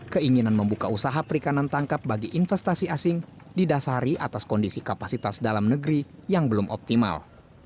keinginan membuka usaha perikanan tangkap bagi investasi asing didasari atas kondisi kapasitas dalam negeri yang belum optimal